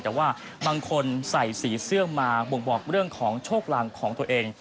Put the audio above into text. แต่ว่าบางคนใส่สีเสื้อมาบ่งบอกเรื่องของโชคลางของตัวเอง